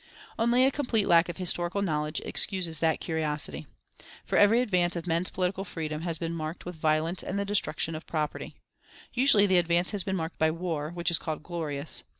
Only a complete lack of historical knowledge excuses that curiosity. For every advance of men's political freedom has been marked with violence and the destruction of property. Usually the advance has been marked by war, which is called glorious.